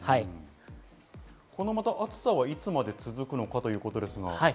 この暑さはいつまで続くのかということですが。